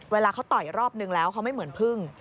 เวลาเขาต่อยรอบนึงแล้วเขาไม่เหมือนพึ่ง